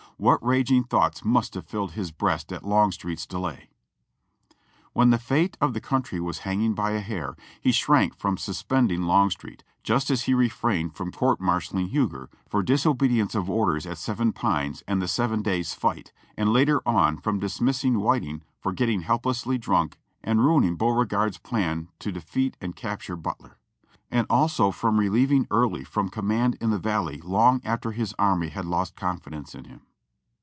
What raging thoughts must have filled his breast at Longstreet's delay ! When the fate of the country was hanging by a hair, he shrank from suspending Longstreet, just as he refrained from court martialing Huger for disobedience of orders at Seven Pines and the Seven Days' fight, and later on from dismissing Whiting for getting helplessly drunk and ruining Beauregard's plan to defeat and capture Butler ; and also from relieving Early from com mand in the Valley long after his army had lost confidence in him.